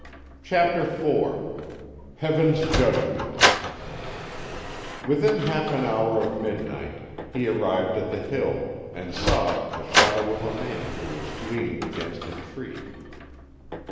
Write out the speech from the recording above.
CHAPTER IV HEAVEN'S JUDGMENT Within half an hour of midnight he arrived at the hill, and saw the shadow of a man who was leaning against a tree.